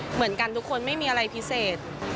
เหมือนกันทุกคนไม่มีอะไรพิเศษ